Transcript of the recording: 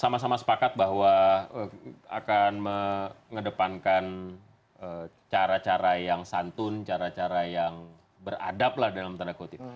sama sama sepakat bahwa akan mengedepankan cara cara yang santun cara cara yang beradab lah dalam tanda kutip